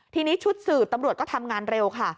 ทีนี้ชุดสืบตำรวจก็ทำงานเร็วค่ะ